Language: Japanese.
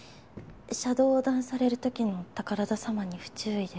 車道を横断される時の宝田様に不注意で。